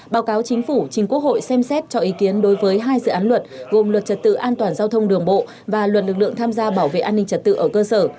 báo cáo chính phủ chính quốc hội xem xét cho ý kiến đối với hai dự án luật gồm luật trật tự an toàn giao thông đường bộ và luật lực lượng tham gia bảo vệ an ninh trật tự ở cơ sở